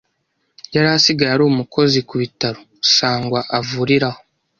yari asigaye ari umukozi ku bitaro Sangwa avuriraho,